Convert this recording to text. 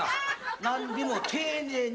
何でも丁寧に。